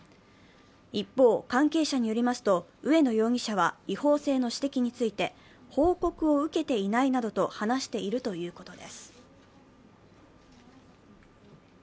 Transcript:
一方、関係者によりますと植野容疑者は違法性の指摘について、報告を受けていないなどと話しているということです。